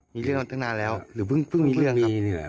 มีเรื่องตั้งนานแล้วหรือเพิ่งมีเรื่องครับเพิ่งมีนี่แหละ